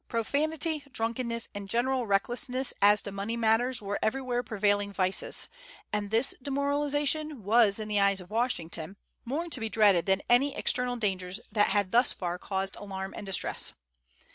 Profanity, drunkenness, and general recklessness as to money matters were everywhere prevailing vices; and this demoralization was, in the eyes of Washington, more to be dreaded than any external dangers that had thus far caused alarm and distress.